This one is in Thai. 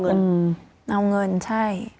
เอาเงินใช่